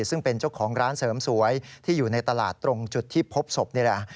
ซึ่งเป็นเจ้าของร้านเสริมสวยที่อยู่ในตลาดตรงจุดที่พบศพนี่แหละ